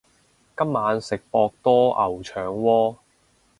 今晚食博多牛腸鍋